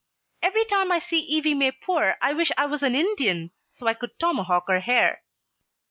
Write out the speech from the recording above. Every time I see Evie May Poore I wish I was an Indian so I could tomahawk her hair.